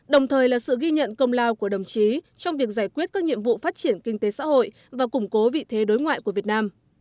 đồng thời là sự ghi nhận công lao của đồng chí trong việc giải quyết các nhiệm vụ phát triển kinh tế xã hội và củng cố vị thế đối ngoại của việt nam